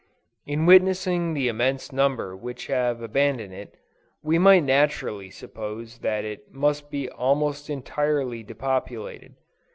In witnessing the immense number which have abandoned it, we might naturally suppose that it must be almost entirely depopulated.